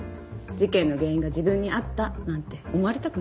事件の原因が自分にあったなんて思われたくないでしょ。